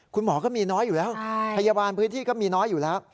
คุณหมอก็มีน้อยอยู่แล้วพยาบาลพื้นที่ก็มีน้อยอยู่แล้ว